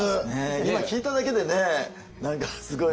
今聞いただけでね何かすごいわ。